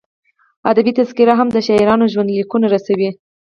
ادبي تذکرې هم د شاعرانو ژوندلیکونه رسوي.